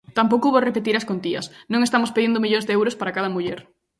Tampouco vou repetir as contías, non estamos pedindo millóns de euros para cada muller.